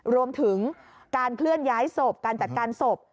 รวมถึงการเคลื่อนย้ายสมจัดการสม